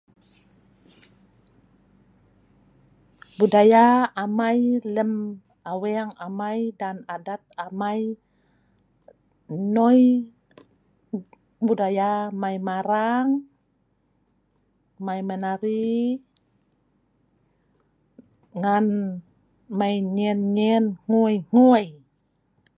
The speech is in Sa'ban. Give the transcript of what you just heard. Budaya amai lem aweng amai dan adat amai nnoi [unintelligible] budaya mai marang, mai menari, ngan mai nyen nyen hngui hngui